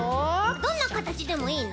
どんなかたちでもいいの？